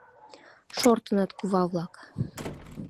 — шортыныт кува-влак.